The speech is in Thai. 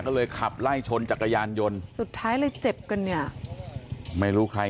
ก็เลยขับไล่ชนจักรยานยนต์สุดท้ายเลยเจ็บกันเนี่ยไม่รู้ใคร